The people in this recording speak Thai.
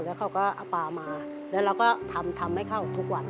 แล้วเขาก็เอาปลามาแล้วเราก็ทำให้เข้าทุกวัน